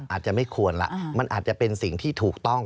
อาจจะไม่ควรละมันอาจจะเป็นสิ่งที่ถูกต้อง